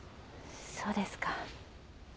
そうですか。